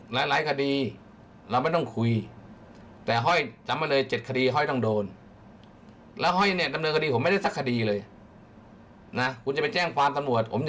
หลายคดีเรามึงไม่ต้องคุย